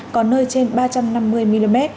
có nơi trên ba trăm năm mươi mm